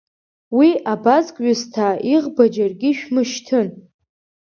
Уи абазг ҩысҭаа иӷба џьаргьы ишәмышьҭын!